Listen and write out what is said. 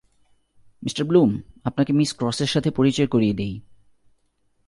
Mr Bloom, আপনাকে Miss ক্রসের সাথে পরিচয় করিয়ে দেই।